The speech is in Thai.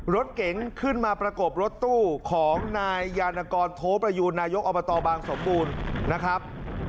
รถเก๋งขึ้นมาประกบรถตู้ของนายยานกรโทประยูนนายกอบตบางสมบูรณ์นะครับ